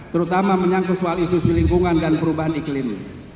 terutama menyangkut soal isu isu lingkungan dan perubahan iklim